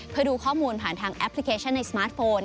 เพื่อดูข้อมูลผ่านทางแอปพลิเคชันในสมาร์ทโฟน